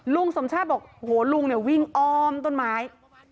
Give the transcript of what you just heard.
สมชาติบอกโอ้โหลุงเนี่ยวิ่งอ้อมต้นไม้